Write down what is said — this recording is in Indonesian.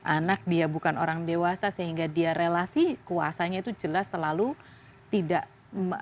anak dia bukan orang dewasa sehingga dia relasi kuasanya itu jelas selalu tidak